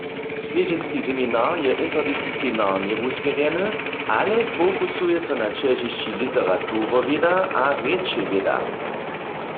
Slědźenski seminar je interdisciplinarnje wusměrjeny, ale fokusuje so na ćežišći literaturowěda a rěčewěda.